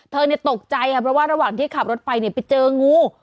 ตกใจค่ะเพราะว่าระหว่างที่ขับรถไปไปเจองู